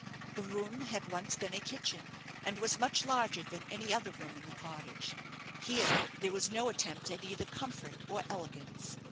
The room had once been a kitchen, and was much larger than any other room in the cottage. Here there was no attempt at either comfort or elegance.